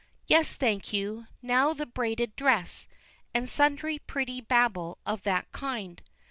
Yes; thank you now the braided dress;" and sundry pretty babble of that kind.